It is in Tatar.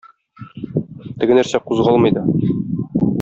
Теге нәрсә кузгалмый да.